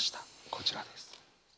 こちらです。